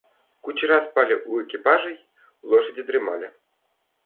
Кучера спали у экипажей, лошади дремали.